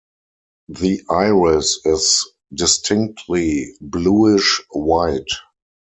The iris is distinctly bluish white.